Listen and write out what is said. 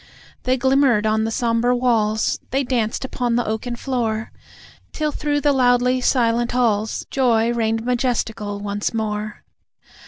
They glimmered on the sombre walls, They danced upon the oaken floor, Till through the loudly silent halls Joy reigned majestical once more.